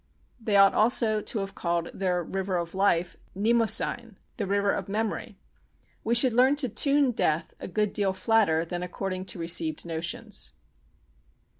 They ought also to have called their River of Life, Mnemosyne—the River of Memory. We should learn to tune death a good deal flatter than according to received notions.